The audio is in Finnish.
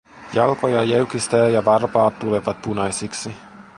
Jalkoja jäykistää ja varpaat tulevat punaisiksi.